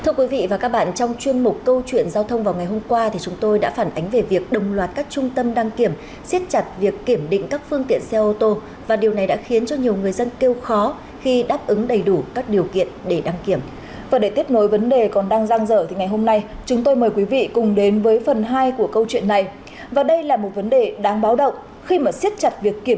các bạn hãy đăng ký kênh để ủng hộ kênh của chúng mình nhé